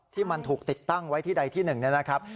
ที่มันถูกติดตั้งไว้ที่ใดที่หนึ่งเนี่ยนะครับ